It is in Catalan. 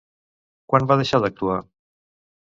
Quan va deixar d'actuar?